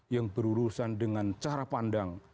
yang berurusan dengan cara pandang